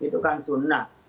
itu kan sunnah